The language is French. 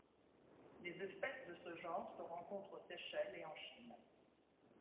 Les espèces de ce genre se rencontrent aux Seychelles et en Chine.